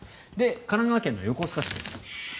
神奈川県の横須賀市です。